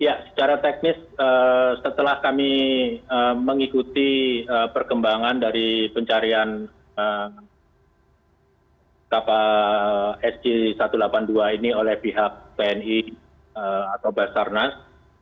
ya secara teknis setelah kami mengikuti perkembangan dari pencarian kapal sj satu ratus delapan puluh dua ini oleh pihak pni atau basarnas